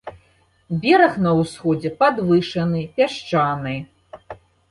Бераг на ўсходзе падвышаны, пясчаны.